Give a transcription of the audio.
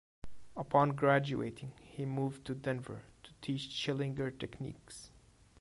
Upon graduating he moved to Denver to teach Schillinger techniques.